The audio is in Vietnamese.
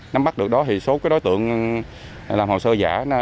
nắm mắt được đó thì số cái đối tượng làm hồ sơ giả